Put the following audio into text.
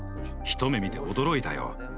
一目見て驚いたよ。